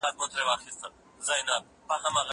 ايا ته د کتابتون کار کوې!.